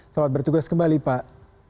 selamat bertugas kembali pak